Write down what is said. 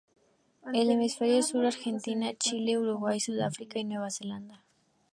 En el hemisferio sur: Argentina, Chile, Uruguay, Sudáfrica y Nueva Zelanda.